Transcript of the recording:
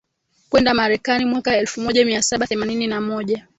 kwenda Marekani Mwaka elfumoja miasaba themanini na moja